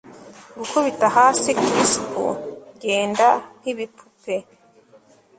gukubita hasi crisp genda nkibipupe